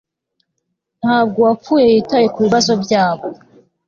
Ntabwo uwapfuye yitaye kubibazo byabo